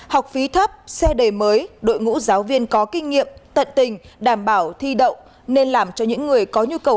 học phí thấp xe đề mới đội ngũ giáo viên có kinh nghiệm tận tình đảm bảo thi đậu nên làm cho những người có nhu cầu